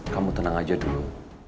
kamu tenang aja dulu